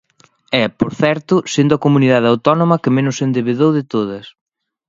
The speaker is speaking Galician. E, por certo, sendo a comunidade autónoma que menos se endebedou de todas.